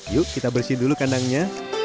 yuk kita bersih dulu kandangnya